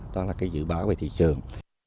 đó là cái dự báo về thị trường